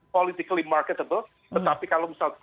politically marketable tetapi kalau misal